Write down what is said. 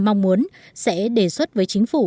mong muốn sẽ đề xuất với chính phủ